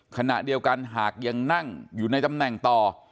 ขณะเดียวกันหากยังนั่งอยู่ในตำแหน่งต่อ